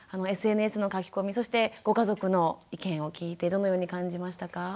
ＳＮＳの書き込みそしてご家族の意見を聞いてどのように感じましたか？